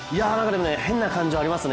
変な感じはありますね